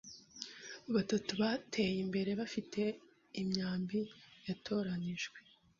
Batatu bateye imbere bafite imyambi yatoranijwe